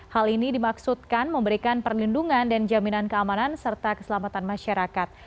hal ini dimaksudkan memberikan perlindungan dan jaminan keamanan serta keselamatan masyarakat